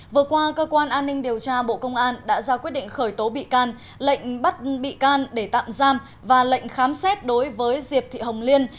vừa qua cơ quan an ninh điều tra bộ công an đã ra quyết định khởi tố bị can lệnh bắt bị can để tạm giam và lệnh khám xét đối với diệp thị hồng liên